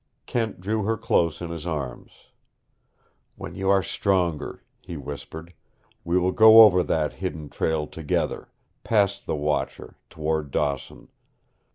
Kent drew her close in his arms. "When you are stronger," he whispered, "we will go over that hidden trail together, past the Watcher, toward Dawson.